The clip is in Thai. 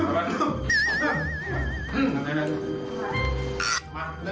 มาเริ่มประชุมเลย